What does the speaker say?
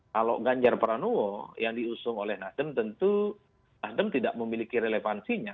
kalau ganjar pranowo yang diusung oleh nasdem tentu nasdem tidak memiliki relevansinya